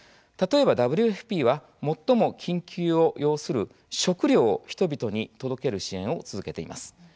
例えばＷＦＰは最も緊急を要する食料を人々に届ける支援を続けています。